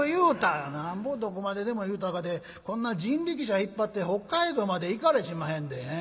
「なんぼどこまででも言うたかてこんな人力車引っ張って北海道まで行かれしまへんで。